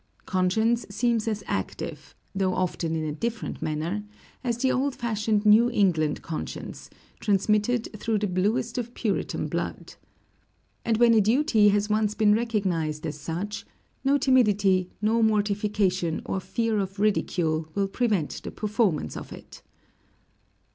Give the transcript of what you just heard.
Conscience seems as active, though often in a different manner, as the old fashioned New England conscience, transmitted through the bluest of Puritan blood. And when a duty has once been recognized as such, no timidity, or mortification, or fear of ridicule will prevent the performance of it.